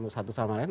satu sama lain